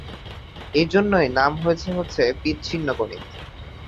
এ জন্যই নাম হয়েছে হচ্ছে বিচ্ছিন্ন গণিত।